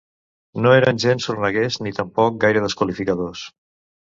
No eren gens sorneguers ni tampoc gaire desqualificadors.